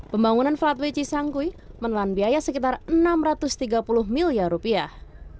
pembangunan flatwe cisangkui menelan biaya sekitar enam ratus tiga puluh miliar rupiah